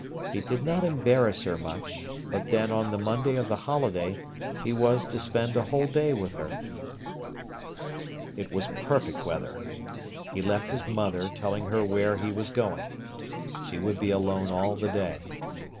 He did not embarrass her much; but then on the Monday of the holiday he was to spend a whole day with her. It was perfect weather. He left his mother, telling her where he was going. She would be alone all the day.